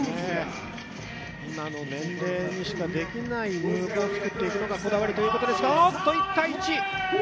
今の年齢にしかできないムーブを作っていくのがこだわりということですが、１−１！